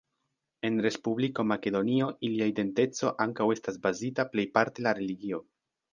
En Respubliko Makedonio ilia identeco ankaŭ estas bazita plejparte la religio.